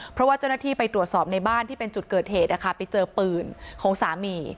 เพราะว่าเจ้าหน้าที่ไปตรวจสอบในบ้านที่เป็นจุดเกิดเหตุนะคะไปเจอปืนของสามี